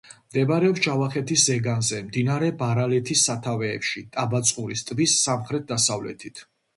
მდებარეობს ჯავახეთის ზეგანზე, მდინარე ბარალეთის სათავეებში, ტაბაწყურის ტბის სამხრეთ-დასავლეთით.